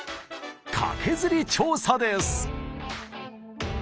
カケズリ調査です。